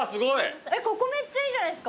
ここめっちゃいいじゃないですか。